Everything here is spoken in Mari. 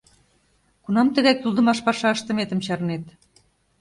Кунам тыгай кӱлдымаш паша ыштыметым чарнет?..